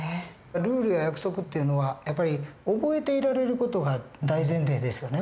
ルールや約束っていうのはやっぱり覚えていられる事が大前提ですよね。